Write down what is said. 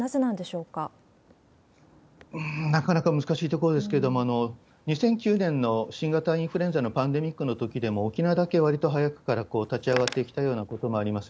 うーん、なかなか難しいところですけれども、２００９年の新型インフルエンザのパンデミックのときでも、沖縄だけわりと早くから立ち上がってきたようなことがあります。